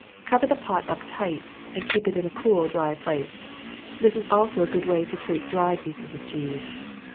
Cover the pot up tight, and keep it in a cool, dry place. This is also a good way to treat dry pieces of cheese.